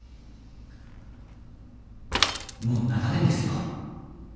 もう７年ですよ？